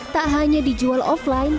tak hanya dijual offline